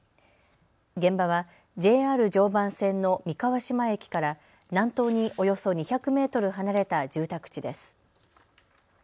現場はＪＲ常磐線の三河島駅から南東におよそ２００メートル離れた住宅地です。